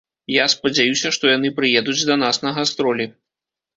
Я спадзяюся, што яны прыедуць да нас на гастролі.